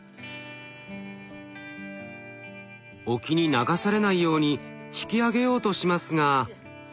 沖に流されないように引き上げようとしますが。